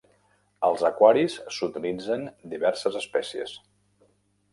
Als aquaris s'utilitzen diverses espècies.